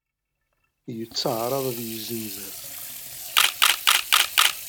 Yettɛaraḍ ad yezzinzer.